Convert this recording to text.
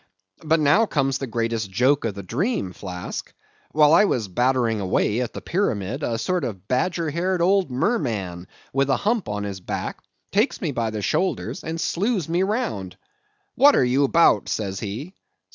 But now comes the greatest joke of the dream, Flask. While I was battering away at the pyramid, a sort of badger haired old merman, with a hump on his back, takes me by the shoulders, and slews me round. 'What are you 'bout?' says he.